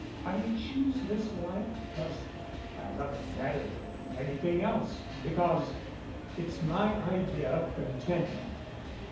I choose this life because I love it better than anything else, because it's my idea of contentment.